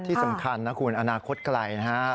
ที่สำคัญนะคุณอนาคตไกลนะครับ